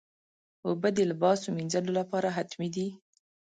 اوبه د لباسو مینځلو لپاره حتمي دي.